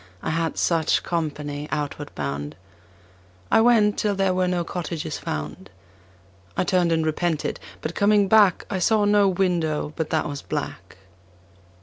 I had such company outward bound. I went till there were no cottages found. I turned and repented, but coming back I saw no window but that was black.